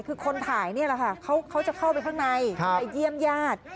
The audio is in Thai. คือคนถ่ายนี่แหละค่ะเขาจะเข้าไปข้างในไปเยี่ยมญาติ